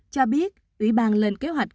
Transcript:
cho biết ủy ban lên kế hoạch